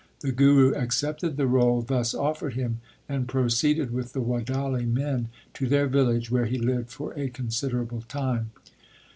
The Guru accepted the role thus offered him, and proceeded with the Wadali men to their village, where he lived for a considerable time.